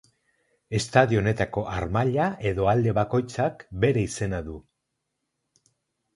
Estadio honetako harmaila edo alde bakoitzak bere izena du.